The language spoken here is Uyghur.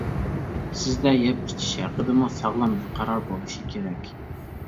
سىزدە يەپ-ئىچىش ھەققىدىمۇ ساغلام بىر قارار بولۇشى كېرەك.